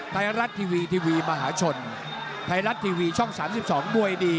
ไทยรัฐทีวีทีวีมหาชนไทยรัฐทีวีช่อง๓๒มวยดี